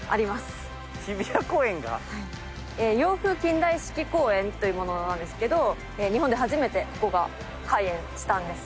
洋風近代式公園というものなんですけど日本で初めてここが開園したんです。